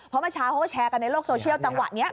เพราะบัญชาฯโชว์แชร์กับในโลกโซเชียลจังหวะนี้